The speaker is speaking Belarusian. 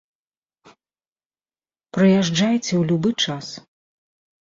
Прыязджайце ў любы час.